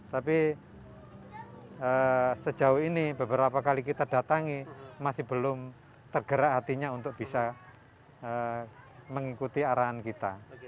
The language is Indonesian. tapi sejauh ini beberapa kali kita datangi masih belum tergerak hatinya untuk bisa mengikuti arahan kita